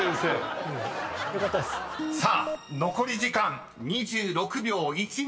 ［さあ残り時間２６秒１７］